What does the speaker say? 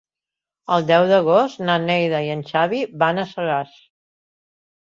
El deu d'agost na Neida i en Xavi van a Sagàs.